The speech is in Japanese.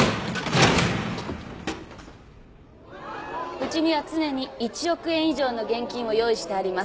うちには常に１億円以上の現金を用意してあります。